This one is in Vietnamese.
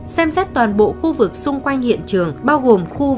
xem xét toàn bộ khu vực xung quanh hiện trường bao gồm khu vực xung quanh hiện trường